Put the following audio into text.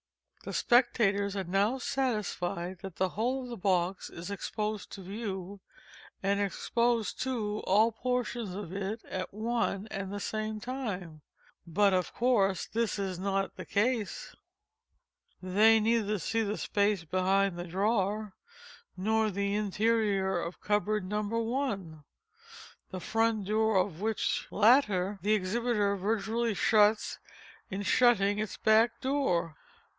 The spectators are now satisfied that the whole of the box is exposed to view—and exposed too, all portions of it at one and the same time. But of course this is not the case. They neither see the space behind the drawer, nor the interior of cupboard No. 1—the front door of which latter the exhibiter virtually shuts in shutting its back door.